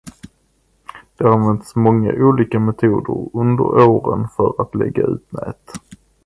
Det har använts många olika metoder under åren för att lägga ut nät.